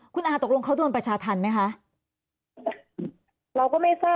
คุณอาตกลงเขาโดนประชาธัณฑ์ได้ยังมั้ยคะ